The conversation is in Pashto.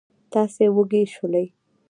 تاسې وږي شولئ.